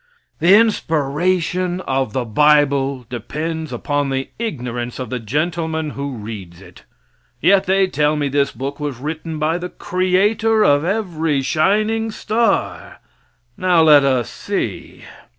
The inspiration of the bible depends upon the ignorance of the gentleman who reads it. Yet they tell me this book was written by the creator of every shining star. Now let us see.